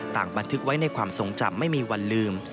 บันทึกไว้ในความทรงจำไม่มีวันลืม